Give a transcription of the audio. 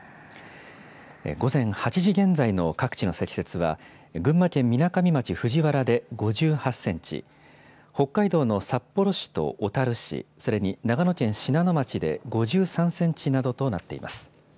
午前８時現在の各地の積雪は、群馬県みなかみ町藤原で５８センチ、北海道の札幌市と小樽市、それに長野県信濃町で５３センチなどとなっています。